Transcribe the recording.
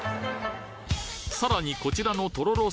さらにこちらのとろろ